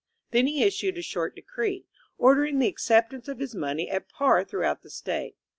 Then he issued a short decree, ordering the acceptance of his money at par through out the State.